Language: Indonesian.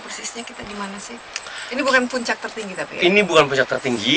persisnya kita di mana sih ini bukan puncak tertinggi tapi ini bukan puncak tertinggi